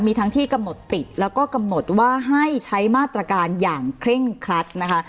มีทั้งที่กำหนดปิดแล้วก็กำหนดว่าให้ใช้มาตรการอย่างเคร่งครัดนะคะ